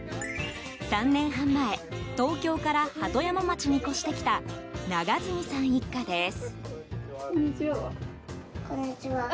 ３年半前東京から鳩山町に越してきた永住さん一家です。